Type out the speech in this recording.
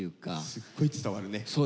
すっごい伝わるね。